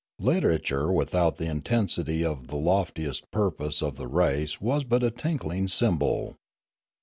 Litera ture without the intensity of the loftiest purpose of the race was but a tinkling cymbal.